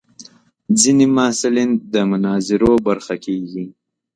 ځینې محصلین د مناظرو برخه کېږي.